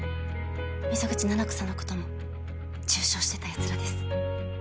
溝口七菜子さんのことも中傷してたヤツらです。